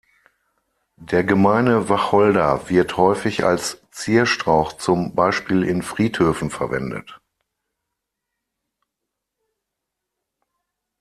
Der Gemeine Wacholder wird häufig als Zierstrauch zum Beispiel in Friedhöfen verwendet.